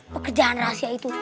pekerjaan rahasia itu